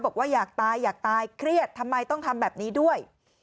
บอกว่าอยากตายอยากตายเครียดทำไมต้องทำแบบนี้ด้วย